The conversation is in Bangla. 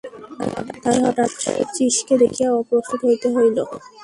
তাই হঠাৎ শচীশকে দেখিয়া অপ্রস্তুত হইতে হইল।